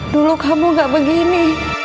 dulu kamu gak begini